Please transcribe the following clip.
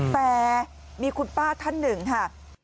แต่มีคุณป้าท่านหนึ่งค่ะ